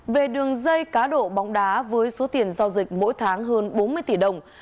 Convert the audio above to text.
về đường dây cá độ bóng đá với số tiền giao dịch mỗi tháng hơn bốn mươi tỷ đồng